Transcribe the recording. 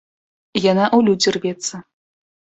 Яна ў людзі рвецца.